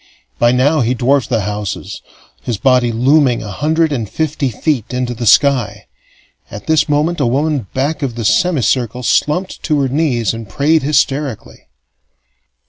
By now he dwarfed the houses, his body looming a hundred and fifty feet into the sky. At this moment a woman back of the semicircle slumped to her knees and prayed hysterically.